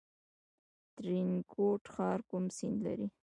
ترینکوټ ښار کوم سیند لري؟